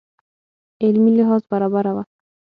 عملي لحاظ برابره وه.